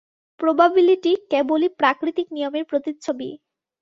Probability কেবলই প্রাকৃতিক নিয়মের প্রতিচ্ছবি।